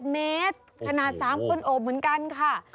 ๑เมตรขนาด๓คนโอบเหมือนกันค่ะ